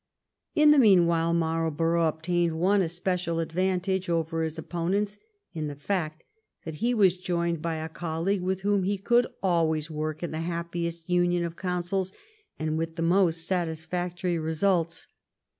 In the meanwhile Marlborough obtained one espe cial advantage over his opponents, in the fact that he was joined by a colleague with whom he could always work in the happiest union of counsels and with the most satisfactory results.